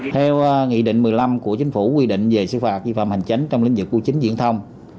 theo nghị định một mươi năm của chính phủ quy định về xử phạt vi phạm hành chánh trong lĩnh vực bưu chính diễn thông